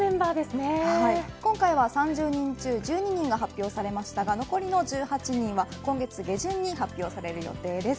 今回は３０人中１２人が発表されましたが残りの１８人は今月下旬に発表される予定です。